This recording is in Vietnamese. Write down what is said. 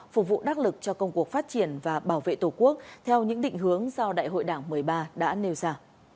phục vụ đắc lực cho công cuộc phát triển và bảo vệ tổ quốc theo những định hướng do đại hội đảng một mươi ba đã nêu ra